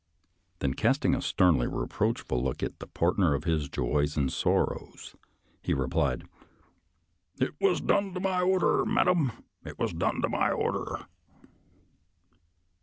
Then, casting a sternly reproachful look at the partner of his joys and sorrows, he re plied, " It was done by my order. Madam — it was done by my order."